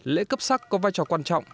lễ cấp sắc có vai trò quan trọng